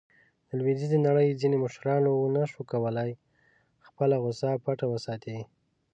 د لویدیځې نړۍ ځینو مشرانو ونه شو کولاې خپله غوصه پټه وساتي.